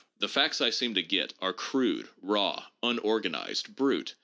The facts I seem to get " are crude, raw, unorganized, brute.